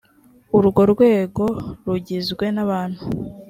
urwo rwego rugizwe n abantu